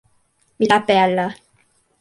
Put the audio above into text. mi lape ala.